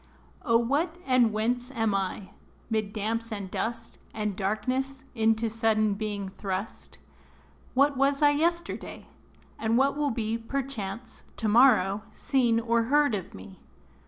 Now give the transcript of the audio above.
O what, and whence am I, 'mid damps and dust, And darkness, into sudden being thrust? What was I yesterday? and what will be, Perchance, to morrow, seen or heard of me?